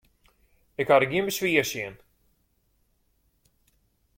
Ik ha der gjin beswier tsjin.